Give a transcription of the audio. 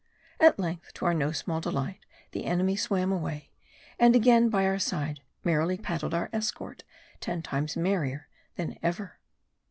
At length, to our no small delight, the enemy swam away ; and again by our side merrily paddled our escort ; ten times merrier than ever.